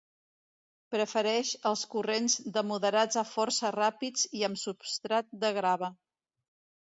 Prefereix els corrents de moderats a força ràpids i amb substrat de grava.